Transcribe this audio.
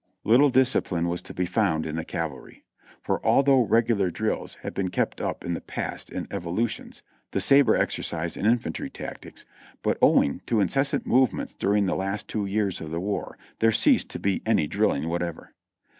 Little discipline was to be found in the cavalry, for although regular drills had been kept up in the past in evolutions, the sabre exercise and infantry tactics, but owing to incessant move ments during the last two years of the war there ceased to be any drilling whatever.